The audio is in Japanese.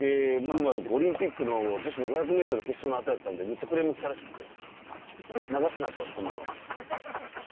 オリンピックの女子５００ｍ決勝の後やったんでむっちゃクレーム来たらしくて流すな！とそんなのは。